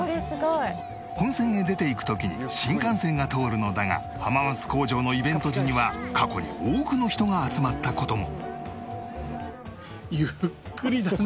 本線へ出ていく時に新幹線が通るのだが浜松工場のイベント時には過去に多くの人が集まった事も